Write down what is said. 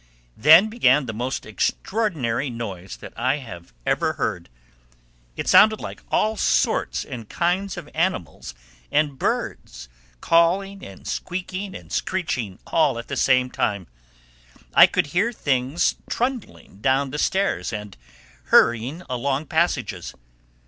Then began the most extraordinary noise that I have ever heard. It sounded like all sorts and kinds of animals and birds calling and squeaking and screeching at the same time. I could hear things trundling down the stairs and hurrying along passages.